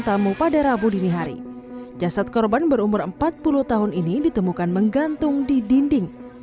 tamu pada rabu dini hari jasad korban berumur empat puluh tahun ini ditemukan menggantung di dinding